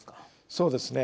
そうですね。